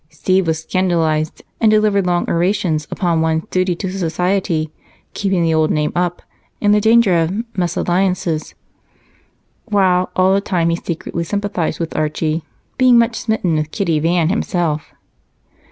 Steve was scandalized and delivered long orations upon one's duty to society, keeping the old name up, and the danger of mésalliances, while all the time he secretly sympathized with Archie, being much smitten with Kitty Van himself.